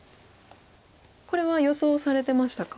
これは予想されてましたか？